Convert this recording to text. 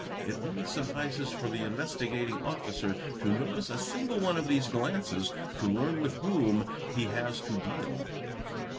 It only suffices for the Investigating Officer to notice a single one of these glances to learn with whom he has to deal.